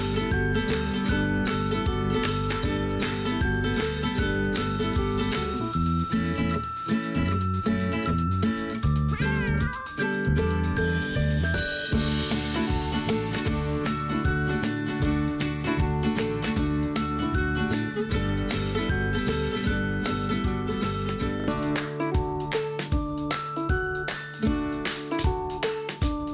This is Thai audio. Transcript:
สวัสดีครับสวัสดีค่ะ